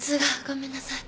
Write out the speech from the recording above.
ごめんなさい。